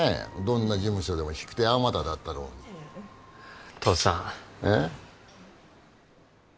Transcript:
どんな事務所でも引く手あまただったろうに父さんえっ？